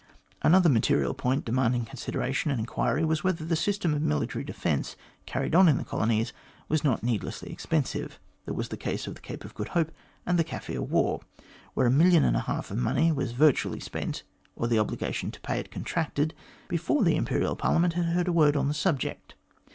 Another material point demanding consideration and enquiry was whether the system of military defence carried on in the colonies was not needlessly expensive. There was the case of the Cape of Good Hope and the Kaffir war, where a million and a half of money was virtually spent, or the obligation to pay it contracted, before the Imperial Parliament heard a word on the subject.